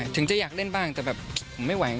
ถึงจะอยากเล่นบ้างแต่แบบผมไม่ไหว